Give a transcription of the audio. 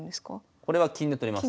これは金で取ります。